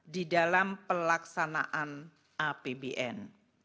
di dalam pelaksanaan apbn